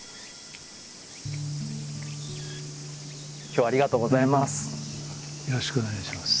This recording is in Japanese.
今日はありがとうございます。